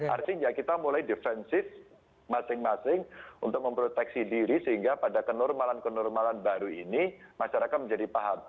artinya kita mulai defensif masing masing untuk memproteksi diri sehingga pada kenormalan kenormalan baru ini masyarakat menjadi paham